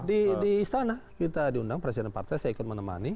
di istana kita diundang presiden partai saya ikut menemani